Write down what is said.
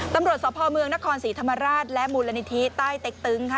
ตำรวจสภเมืองนครศรีธรรมราชและมูลนิธิใต้เต็กตึงค่ะ